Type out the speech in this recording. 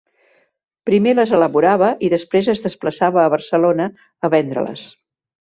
Primer les elaborava i després es desplaçava a Barcelona a vendre-les.